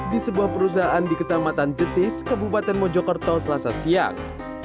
di sebuah perusahaan di kecamatan jetis kebupaten mojokerto selasa siang